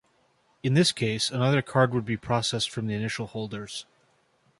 In this case, another card would be processed from the initial holders.